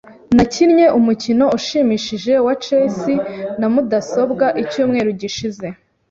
Nakinnye umukino ushimishije wa chess na mudasobwa icyumweru gishize.